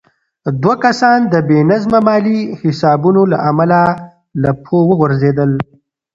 دوه کسان د بې نظمه مالي حسابونو له امله له پښو وغورځېدل.